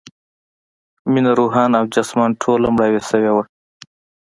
مينه روحاً او جسماً ټوله مړاوې شوې وه